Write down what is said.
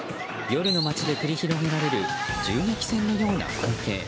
夜の街で繰り広げられる銃撃戦のような光景。